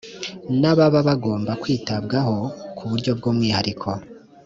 n ababa bagomba kwitabwaho ku buryo bw umwihariko